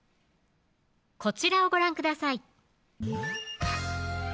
こちらをご覧ください